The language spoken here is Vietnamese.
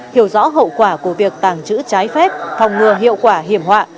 hiểu rõ hậu quả của việc tàng trữ trái phép phòng ngừa hiệu quả hiểm họa